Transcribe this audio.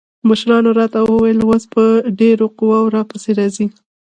مشرانو راته وويل اوس به ډېره قوا را پسې راسي.